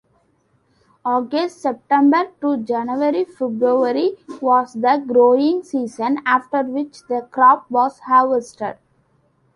August-September to January-February was the growing season, after which the crop was harvested.